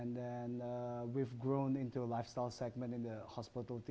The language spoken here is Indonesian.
dan kami telah tumbuh menjadi segmen hidup di industri hospitality